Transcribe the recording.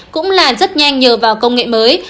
cũng là rất nhanh nhờ vào công nghệ mới